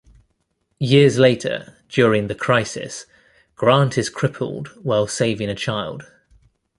Years later, during the Crisis, Grant is crippled while saving a child.